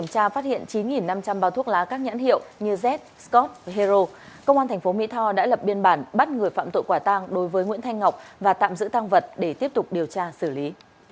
trong lá các nhãn hiệu như z scope hero công an thành phố mỹ tho đã lập biên bản bắt người phạm tội quả tăng đối với nguyễn thanh ngọc và tạm giữ tăng vật để tiếp tục điều tra xử lý